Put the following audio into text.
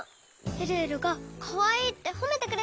えるえるがかわいいってほめてくれたのよ。